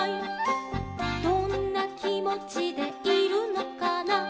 「どんなきもちでいるのかな」